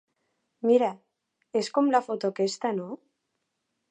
Mira, és com la foto aquesta, no?